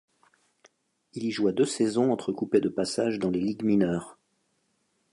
Il y joua deux saisons entre-coupés de passage dans les ligues mineures.